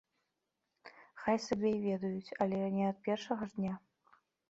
Хай сабе й ведаюць, але не ад першага ж дня.